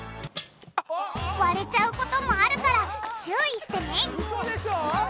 割れちゃうこともあるから注意してね